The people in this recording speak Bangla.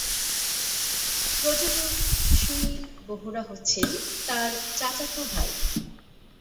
প্রযোজক সুনিল বোহরা হচ্ছেন তার চাচাত ভাই।